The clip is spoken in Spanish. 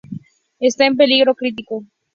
Está en peligro crítico.